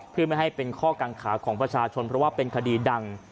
เพื่อไม่ให้เป็นข้อกังขาของประชาชนเพราะว่าเป็นคดีดัง